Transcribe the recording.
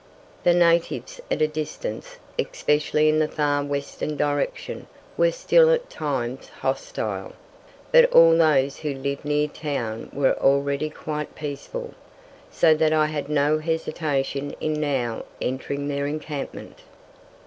The natives at a distance, especially in the far western direction, were still at times hostile, but all those who lived near town were already quite peaceful, so that I had no hesitation in now entering their encampment.